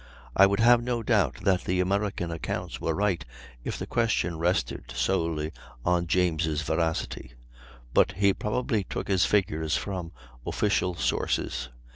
I would have no doubt that the American accounts were right if the question rested solely on James' veracity; but he probably took his figures from official sources.